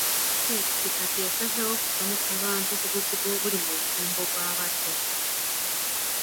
Disitulikiti kati esazeewo kusomesa bantu ku buzibu obuli mu bufumbo bw'abato.